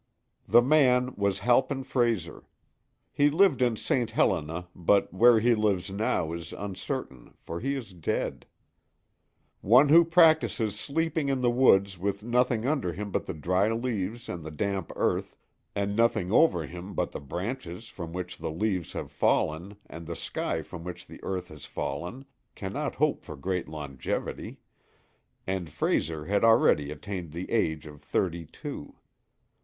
The man was Halpin Frayser. He lived in St. Helena, but where he lives now is uncertain, for he is dead. One who practices sleeping in the woods with nothing under him but the dry leaves and the damp earth, and nothing over him but the branches from which the leaves have fallen and the sky from which the earth has fallen, cannot hope for great longevity, and Frayser had already attained the age of thirty two.